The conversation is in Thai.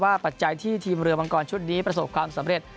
ปัจจัยที่ทีมเรือมังกรชุดนี้ประสบความสำเร็จ